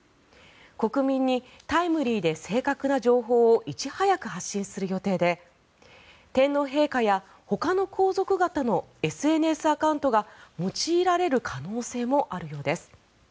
国民にタイムリーで正確な情報をいち早く発信する予定で天皇陛下やほかの皇族方のＳＮＳアカウントが用いられる可能性もあるようです。